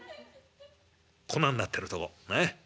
粉になってるとこ。